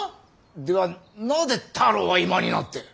ではなぜ太郎は今になって。